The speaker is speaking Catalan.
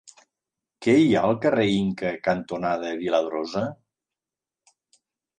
Què hi ha al carrer Inca cantonada Viladrosa?